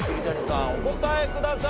お答えください。